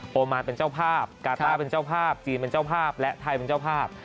มานเป็นเจ้าภาพกาต้าเป็นเจ้าภาพจีนเป็นเจ้าภาพและไทยเป็นเจ้าภาพ